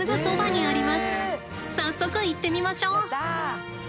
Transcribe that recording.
早速行ってみましょう！